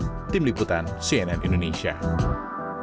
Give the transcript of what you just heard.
sangsi tersebut adalah peringatan tertulis pencabutan izin atau dendah